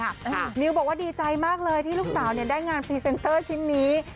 ค่ะมิวบอกว่าดีใจมากเลยที่ลูกสาวได้งานแต่ชิ้นนี้